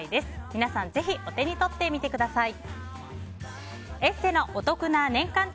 皆さんぜひお手に取ってみてください。